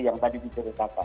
yang tadi diceritakan